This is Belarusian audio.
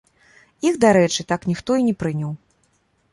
Іх, дарэчы, так ніхто і не прыняў.